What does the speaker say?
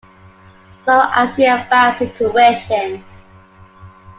So I see a bad situation.